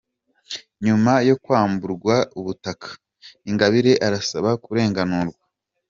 Nyuma yo kwamburwa ubutaka, Ingabire arasaba kurenganurwa